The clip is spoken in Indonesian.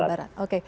jawa barat oke